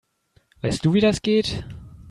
Weißt du, wie das geht?